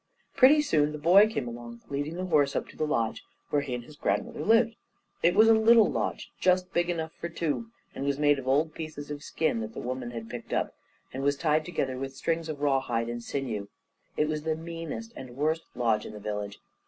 Pretty soon the boy came along, leading the horse up to the lodge where he and his grandmother lived. It was a little lodge, just big enough for two, and was made of old pieces of skin that the old woman had picked up, and was tied together with strings of rawhide and sinew. It was the meanest and worst lodge in the village.